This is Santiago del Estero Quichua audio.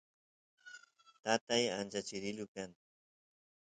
tatay ancha chirilu kan